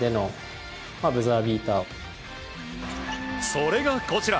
それがこちら。